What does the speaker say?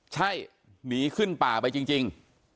ใช่หนีขึ้นป่าไปจริง